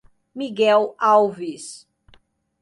Miguel Alves